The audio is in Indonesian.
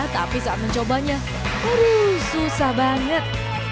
tapi saat mencobanya aduh susah banget